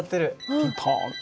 ピンポン。